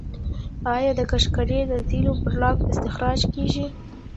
آیا د قشقري د تیلو بلاک استخراج کیږي؟